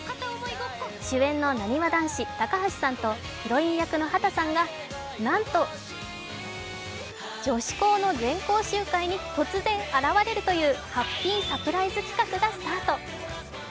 主演のなにわ男子高橋さんとヒロイン役の畑さんがなんと、女子校の全校集会に突然現れるというハッピーサプライズ企画がスタート。